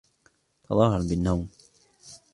تظاهر بالنوم.